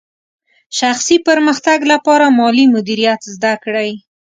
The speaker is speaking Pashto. شخصي پرمختګ لپاره مالي مدیریت زده کړئ.